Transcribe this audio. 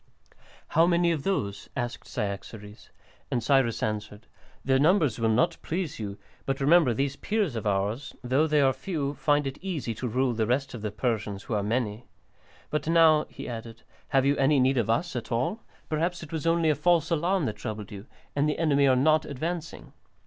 "How many of those?" asked Cyaxares. And Cyrus answered, "Their numbers will not please you, but remember these Peers of ours, though they are few, find it easy to rule the rest of the Persians, who are many. But now," he added, "have you any need of us at all? Perhaps it was only a false alarm that troubled you, and the enemy are not advancing?"